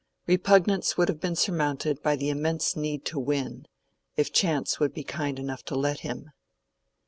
Repugnance would have been surmounted by the immense need to win, if chance would be kind enough to let him.